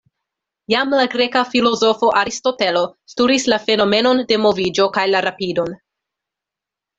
Jam la greka filozofo Aristotelo studis la fenomenon de moviĝo kaj la rapidon.